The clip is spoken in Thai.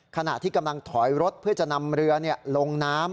ขณะที่กำลังถอยรถเพื่อจะนำเรือลงน้ำ